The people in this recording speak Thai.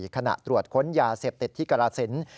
ขณะตรวจค้นยาเสพติดที่กรสิน